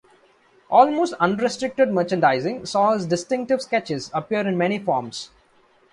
Almost unrestricted merchandising saw his distinctive sketches appear in many forms.